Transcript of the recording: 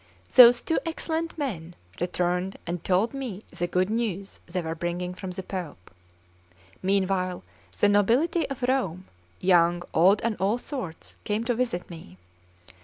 Those two excellent men returned and told me the good news they were bringing from the Pope. Meanwhile the nobility of Rome, young, old, and all sorts, came to visit me.